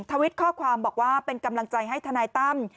ทวิตข้อความบอกว่าเป็นกำลังใจให้ทนายตั้ม